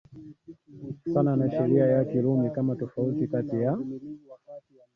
sana na sheria ya Kirumi kama tofauti kati ya